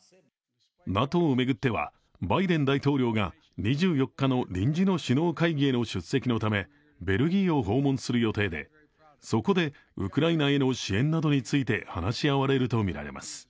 ＮＡＴＯを巡ってはバイデン大統領が２４日の臨時の首脳会議への出席のためベルギーを訪問する予定で、そこで、ウクライナへの支援などについて話し合われるとみられます。